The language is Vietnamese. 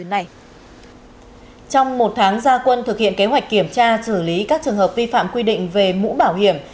hà quân thực hiện kế hoạch kiểm tra xử lý các trường hợp vi phạm quy định về mũ bảo hiểm